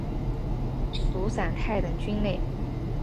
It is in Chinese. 毒伞肽等菌类。